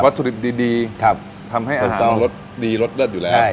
วัตถุดิบดีทำให้อาหารรสดีรสเลิศอยู่แล้วครับ